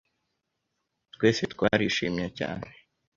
Twese twarishimye cyane.